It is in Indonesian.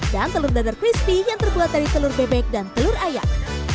dan telur dadar crispy yang terbuat dari telur bebek dan telur ayam